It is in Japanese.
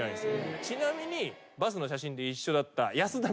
ちなみに。